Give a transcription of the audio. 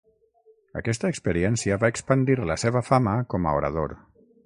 Aquesta experiència va expandir la seva fama com a orador.